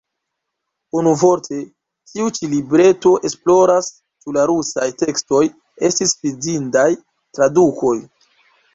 Unuvorte, tiu ĉi libreto esploras, ĉu la rusaj tekstoj estis fidindaj tradukoj.